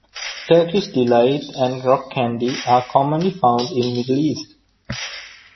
Turkish delight and rock candy are commonly found in Middle East.